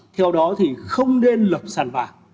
theo đó thì không nên lập sản vàng